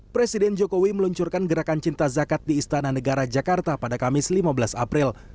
presiden jokowi meluncurkan gerakan cinta zakat di istana negara jakarta pada kamis lima belas april